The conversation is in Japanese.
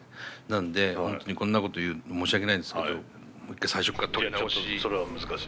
なんで本当にこんなこと言うの申し訳ないんですけどもう一回最初から撮り直し。